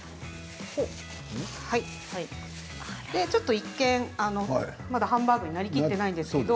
一見まだハンバーグになりきっていないんですけど